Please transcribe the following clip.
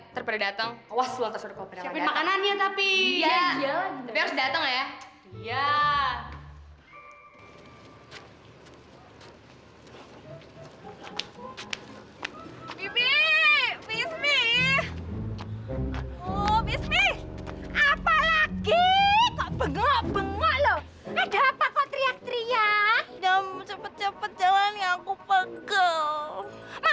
sampai jumpa di video selanjutnya